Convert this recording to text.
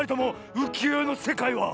うきよえのせかいは。